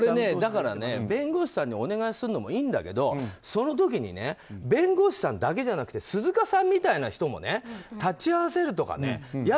弁護士さんにお願いするのもいいんだけどその時に弁護士さんだけじゃなくて鈴鹿さんみたいな人も立ち会わせるとかね。